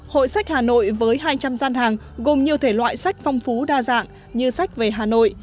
hội sách hà nội với hai trăm linh gian hàng gồm nhiều thể loại sách phong phú đa dạng như sách về hà nội